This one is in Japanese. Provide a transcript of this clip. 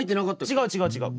違う違う違う。